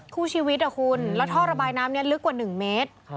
คู่ชีวิตอ่ะคุณแล้วท่อระบายน้ำนี้ลึกกว่า๑เมตร